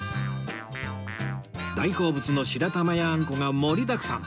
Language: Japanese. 大好物の白玉やあんこが盛りだくさん